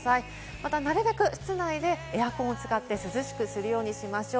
また、なるべく室内でエアコンを使って涼しくするようにしましょう。